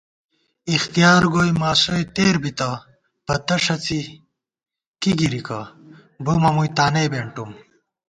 اِختیار گوئی ماسوئےتېر بِتہ، پتہ ݭڅی کی گِرِکہ، بُمہ مُوئی تانَئی بېنٹُوم